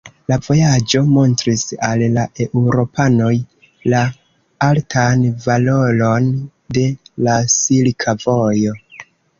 La vojaĝo montris al la eŭropanoj la altan valoron de la Silka Vojo.